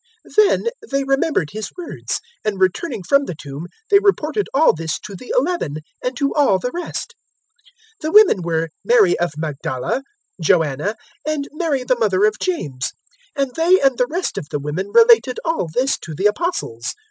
024:008 Then they remembered His words, 024:009 and returning from the tomb they reported all this to the Eleven and to all the rest. 024:010 The women were Mary of Magdala, Joanna, and Mary the mother of James; and they and the rest of the women related all this to the Apostles.